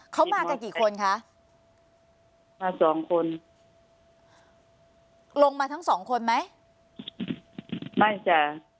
เขามากันกี่คนคะมาสองคนลงมาทั้งสองคนไหมไม่จ้ะ